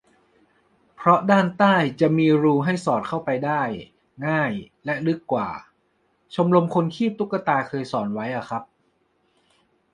เพราะด้านใต้จะมีรูให้สอดเข้าไปได้ง่ายและลึกกว่า - ชมรมคนคีบตุ๊กตา เคยสอนไว้อะครับ